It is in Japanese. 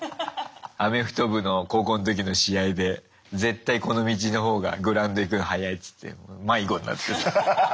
アメフト部の高校の時の試合で絶対この道の方がグラウンド行くの早いっつって迷子になってる。